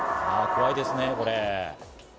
怖いですね、これ。